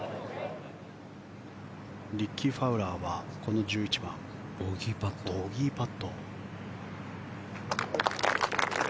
リッキー・ファウラーはこの１１番、ボギーパット。